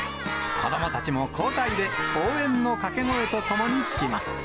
子どもたちも交代で応援の掛け声とともにつきます。